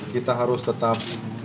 kita harus tetap